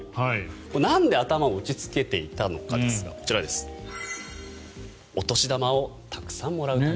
なんで頭を打ちつけていたのかですがこちら、お年玉をたくさんもらうため。